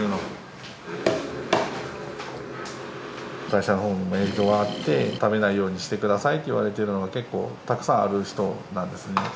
代謝のほうにも影響があって食べないようにしてくださいって言われてるの結構たくさんある人なんですね。